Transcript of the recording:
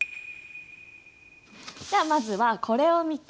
じゃまずはこれを見て。